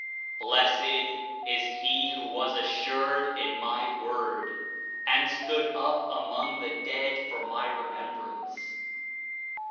"Blessed is he who was assured in My Word and stood up among the dead for My Remembrance."